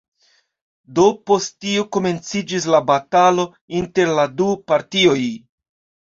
Do post tio komenciĝis la batalo inter la du partioj.